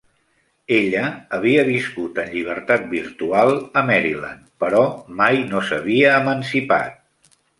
Ella havia viscut en llibertat virtual a Maryland, però mai no s'havia emancipat.